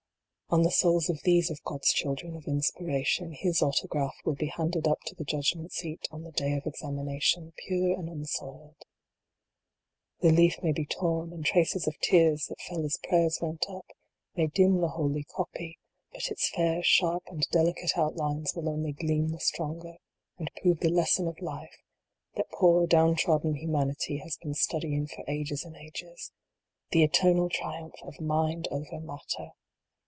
On the souls of these of God s children of inspiration, His autograph will be handed up to the judgment seat, on the Day of Examination, pure and unsoiled. The leaf may be torn, and traces of tears, that fell as prayers went up, may dim the holy copy, but its fair, sharp, and delicate outlines will only gleam the stronger, and prove the lesson of life, that poor, down trodden hu manity has been studying for ages and ages the eternal triumph of mind over matter